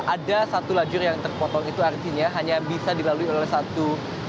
ada satu lajur yang terpotong itu artinya hanya bisa dilalui oleh satu